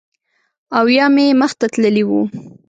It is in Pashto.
او یا مې مخ ته تللی و